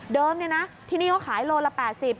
ที่นี่เขาขายโลละ๘๐บาท